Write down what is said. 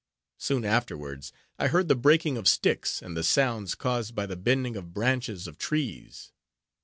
Soon afterwards, I heard the breaking of sticks, and the sounds caused by the bending of branches of trees.